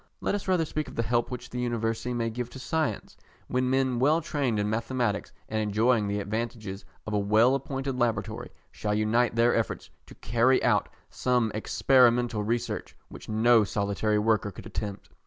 Let us rather speak of the help which the University may give to science, when men well trained in mathematics and enjoying the advantages of a well appointed Laboratory, shall unite their efforts to carry out some experimental research which no solitary worker could attempt.